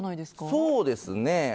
そうですね。